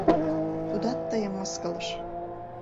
Тудат тыйым мыскылыш.